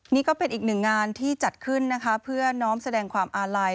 นี่ก็เป็นอีกหนึ่งงานที่จัดขึ้นนะคะเพื่อน้องแสดงความอาลัย